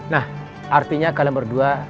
nah artinya kalian berdua